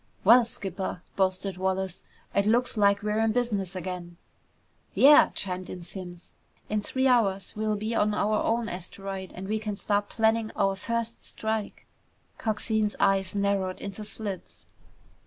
"Well, skipper," boasted Wallace, "it looks like we're in business again!" "Yeah," chimed in Simms. "In three hours we'll be on our own asteroid and we can start planning our first strike!" Coxine's eyes narrowed into slits.